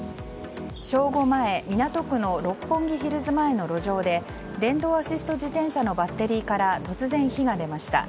正午前港区の六本木ヒルズ前の路上で電動アシスト自転車のバッテリーから突然火が出ました。